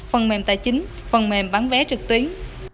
phần mềm tài chính phần mềm bán vé trực tuyến